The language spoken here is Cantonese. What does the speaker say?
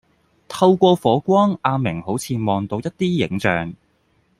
透過火光阿明好似望到一啲影像